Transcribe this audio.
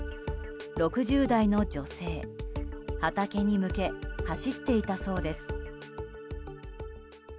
６０代の女性、畑に向け走っていたそうです。